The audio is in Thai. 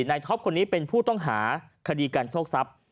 ท็อปคนนี้เป็นผู้ต้องหาคดีการโชคทรัพย์